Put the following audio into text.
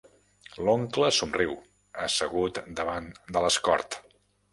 L'oncle somriu, assegut al davant de l'Escort.